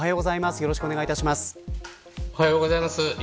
よろしくお願いします。